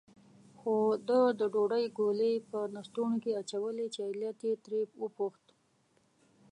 خو ده د ډوډۍ ګولې په لستوڼي کې اچولې، چې علت یې ترې وپوښت.